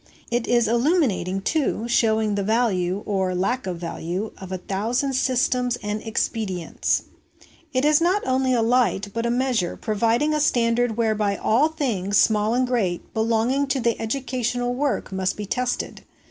It is illuminating, too, showing the value, or lack of value, of a thousand systems and expedients. It is not only a light, but a measure, providing a standard whereby all things, small and great, belonging to educational work must be tested.